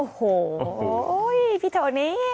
โอ้โหพี่โทนี่